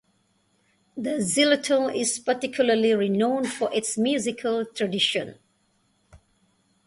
The Zillertal is particularly renowned for its musical tradition.